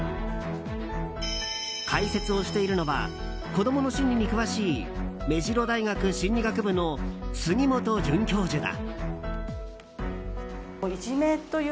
解説をしているのは子供の心理に詳しい目白大学心理学部の杉本准教授だ。